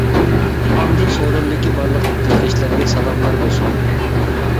ئاندىن سورۇندىكى بارلىق دىلكەشلەرگە سالاملار بولسۇن!